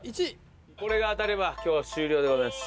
これが当たれば今日は終了でございます。